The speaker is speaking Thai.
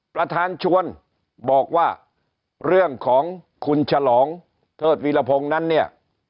ประธานชวนบอกว่าเรื่องของคุณฉลองเทิดวิรพงศ์นั้นเนี่ย